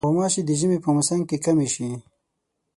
غوماشې د ژمي په موسم کې کمې شي.